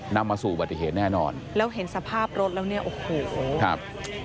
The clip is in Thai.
นำมาสู่อุบัติเหตุแน่นอนแล้วเห็นสภาพรถแล้วเนี่ยโอ้โหครับ